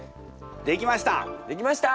できました！